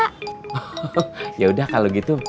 oh yaudah kalo gitu